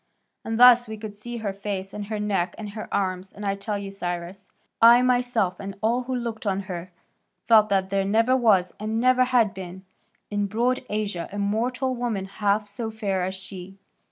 And thus we could see her face, and her neck, and her arms, and I tell you, Cyrus," he added, "I myself, and all who looked on her, felt that there never was, and never had been, in broad Asia a mortal woman half so fair as she.